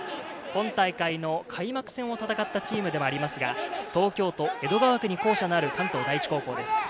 今大会の開幕戦を戦ったチームではありますが、東京都江戸川区に校舎がある関東第一高校です。